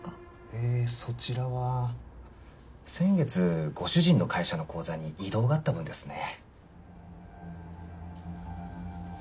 えそちらは先月ご主人の会社の口座に移動があった分ですね。